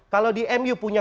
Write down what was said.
kalau di mu punya